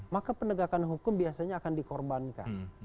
maka penegakan hukum biasanya akan dikorbankan